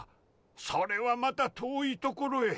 それはまた遠いところへ。